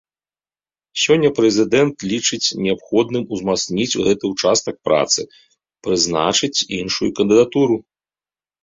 Сёння прэзідэнт лічыць неабходным узмацніць гэты ўчастак працы, прызначыць іншую кандыдатуру.